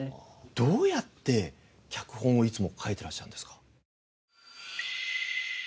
どうやって脚本をいつも書いてらっしゃるんですか？